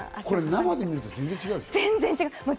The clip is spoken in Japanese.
生で見ると全然違う。